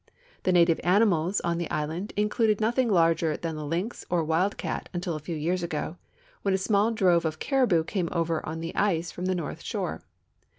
The native animals on the island included nothing larger than the lynx or wild cat until a few years ago, when a small drove of caribou came over on the ice from the north siiore.